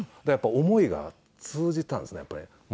だから思いが通じたんですねやっぱり。